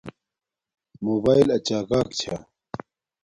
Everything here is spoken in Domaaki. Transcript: موباݵل اچاگاک چھا